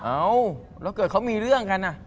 เอ้าแล้วเกิดเขามีเรื่องกัน